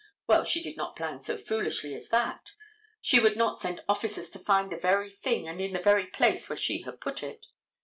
Well, she did not plan so foolishly as that. She would not send officers to find the very thing and in the very place where she had put it.